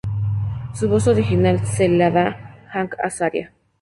Su voz original se la da Hank Azaria.